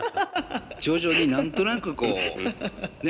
徐々に何となくこうね？